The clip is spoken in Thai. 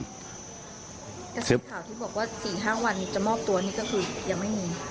ก็คือข่าวที่บอกว่า๔๕วันนี้จะมอบตัวนี่ก็คือยังไม่มี